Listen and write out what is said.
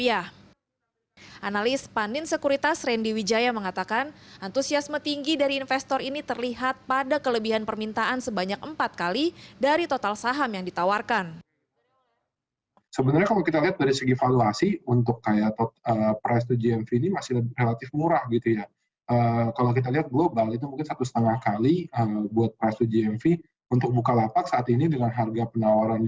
analis pandin sekuritas randy wijaya mengatakan antusiasme tinggi dari investor ini terlihat pada kelebihan permintaan sebanyak empat kali dari total saham yang ditawarkan